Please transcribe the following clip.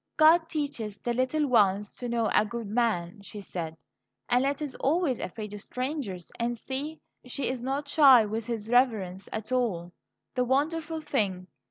"God teaches the little ones to know a good man," she said. "Annette is always afraid of strangers; and see, she is not shy with his reverence at all. The wonderful thing!